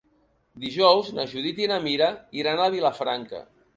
Dijous na Judit i na Mira iran a Vilafranca.